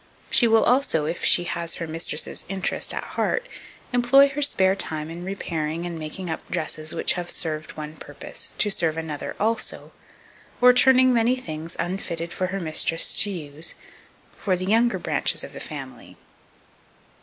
She will also, if she has her mistress's interest at heart, employ her spare time in repairing and making up dresses which have served one purpose, to serve another also, or turning many things, unfitted for her mistress to use, for the younger branches of the family.